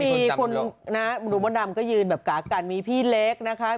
มีคุณนะดูมดดำก็ยืนแบบกะกันมีพี่เล็กนะคะ